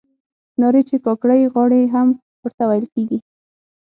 نارې چې کاکړۍ غاړې هم ورته ویل کیږي.